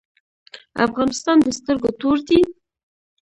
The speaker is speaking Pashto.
افغانستان د سترګو تور دی؟